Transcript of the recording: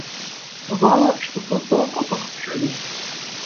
Бывала, што проста ў акопах жылі.